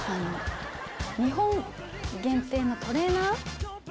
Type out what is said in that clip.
日本限定のトレーナー。